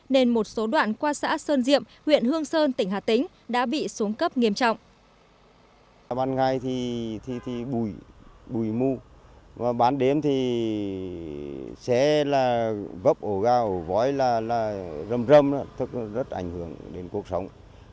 nên một số đoạn qua xã sơn diệm huyện hương sơn tỉnh hà tĩnh đã bị xuống cấp nghiêm trọng